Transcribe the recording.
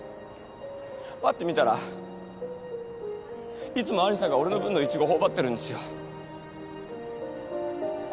ぱって見たらいつも有沙が俺の分のイチゴ頬張ってるんですよ。